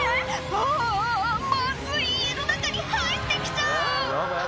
「ああまずい家の中に入ってきちゃう！」